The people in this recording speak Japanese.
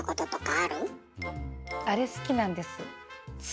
あれ好きなんです。